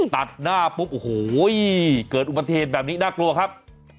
ตัดหน้าปุ๊บโอ้โหเกิดอุบัติเหตุแบบนี้น่ากลัวครับ